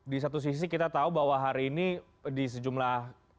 di satu sisi kita tahu bahwa mbak ika ini adalah satu perjalanan yang sangat beruntung